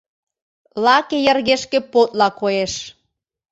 лаке йыргешке подла коеш.